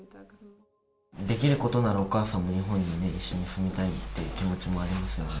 できることなら、お母さんも日本に一緒に住みたいっていう気持ちもありますよね？